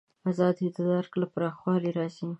ازادي د درک له پراخوالي راځي.